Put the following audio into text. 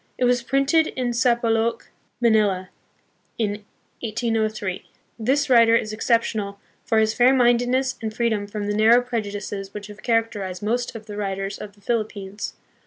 It was printed in Sampaloc, Manila, in 1803. This writer is exceptional for his fairmindedness and freedom from the narrow prejudices which have char acterized most of the writers on the Philippines.